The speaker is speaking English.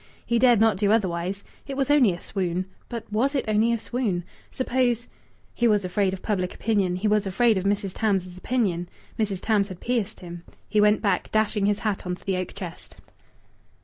He dared not do otherwise.... It was only a swoon. But was it only a swoon? Suppose ...! He was afraid of public opinion; he was afraid of Mrs. Tams's opinion. Mrs. Tams had pierced him. He went back, dashing his hat on to the oak chest.